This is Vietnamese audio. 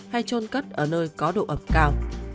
hay trôn cất ở nơi có độ ẩm cao